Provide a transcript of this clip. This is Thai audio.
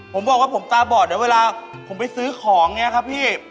ผมบอกว่าผมตาบอดแต่เวลาผมไปซื้อของนี่ครับพี่